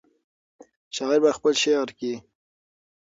شاعر په خپل شعر کې.